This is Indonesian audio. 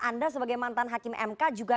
anda sebagai mantan hakim mk juga